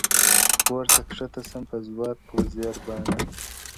پورته کښته سم په زور و زېر باڼه.!